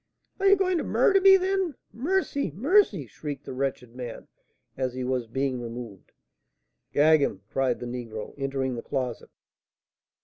"Are you going to murder me, then? Mercy! mercy!" shrieked the wretched man, as he was being removed. "Gag him!" cried the negro, entering the closet.